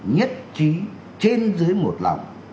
nhất trí trên dưới một lòng